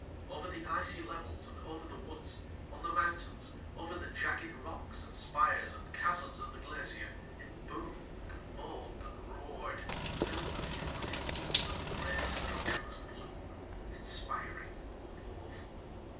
Over the icy levels and over the woods, on the mountains, over the jagged rocks and spires and chasms of the glacier it boomed and moaned and roared, filling the fiord in even, gray, structureless gloom, inspiring and awful.